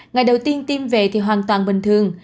ngày đầu tiên tiêm về thì hoàn toàn bình thường